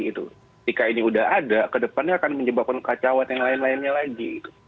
ketika ini sudah ada ke depannya akan menyebabkan kacauan yang lain lainnya lagi